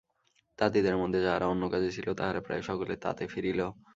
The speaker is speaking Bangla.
তাঁতিদের মধ্যে যাহারা অন্য কাজে ছিল তাহারা প্রায় সকলে তাঁতে ফিরিল।